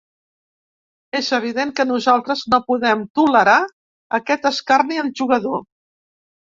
És evident que nosaltres no podem tolerar aquest escarni al jugador.